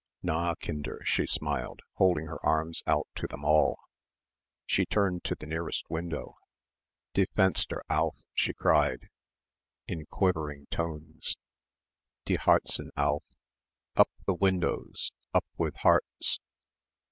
"Na, Kinder," she smiled, holding her arms out to them all. She turned to the nearest window. "Die Fenster auf!" she cried, in quivering tones, "Die Herzen auf!" "Up with windows! Up with hearts!"